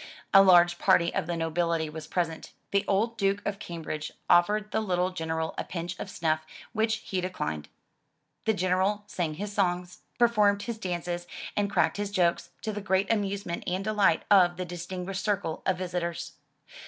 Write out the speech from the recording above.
A large party of the nobility was present. The old Duke of Cambridge offered the little General a pinch of snuff, which he declined. The General sang his songs, performed his fc ^fe K^g^gawjK K PVp.fc. 170 THE TREASURE CHEST dances and cracked his jokes, to the great amusement and delight of the distinguished circle of visitors.